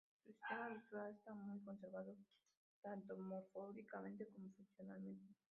Su sistema visual está muy conservado tanto morfológicamente como funcionalmente.